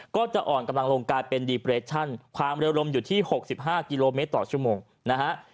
ก็จะอ่อนกำลังลงกลายเป็นความเร็วรมอยู่ที่หกสิบห้ากิโลเมตรต่อชั่วโมงนะฮะ